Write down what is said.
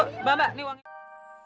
uangnya kita gak perlu